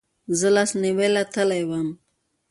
زه لاسنیوې له تلی وم